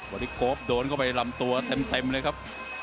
บริโกฟโดนเข้าไปลำตัวเต็มเต็มเลยครับ